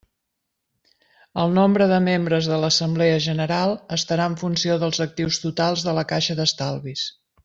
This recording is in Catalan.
El nombre de membres de l'assemblea general estarà en funció dels actius totals de la caixa d'estalvis.